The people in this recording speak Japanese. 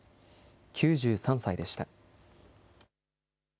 ９３歳でした。